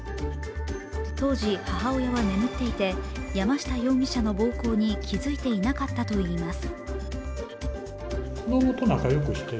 当時、母親は眠っていて山下容疑者の暴行に気付いていなかったといいます。